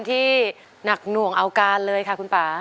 ที่หนักหน่วงเอาการเลยค่ะคุณป่า